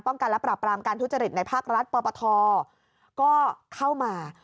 กันและปราบปรามการทุจริตในภาครัฐปปทก็เข้ามา